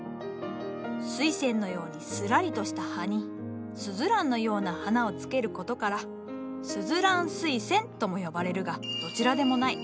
スイセンのようにスラリとした葉にスズランのような花をつける事から「スズランスイセン」とも呼ばれるがどちらでもない。